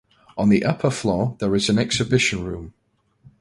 On the upper floor there is an exhibition room.